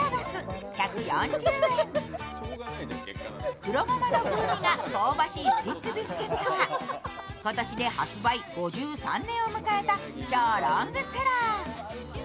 黒ごまの風味が香ばしいスティックビスケットは今年で発売５３年を迎えた超ロングセラー。